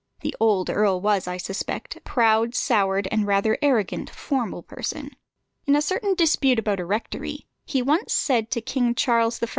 The old earl was, I suspect, a proud, soured, and a rather arrogant, formal person. In a certain dispute about a rectory, he once said to King Charles I.